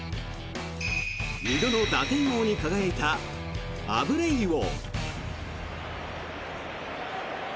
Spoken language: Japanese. ２度の打点王に輝いたアブレイユを。